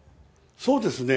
そうですね。